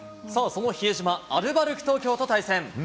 その比江島、アルバルク東京と対戦。